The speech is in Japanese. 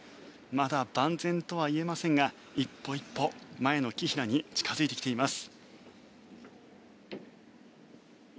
まだ万全とは言えませんが一歩一歩、前の紀平に近付いてきています。